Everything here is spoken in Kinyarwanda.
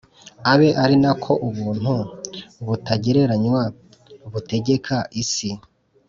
abe ari na ko ubuntu butagereranywa butegeka isi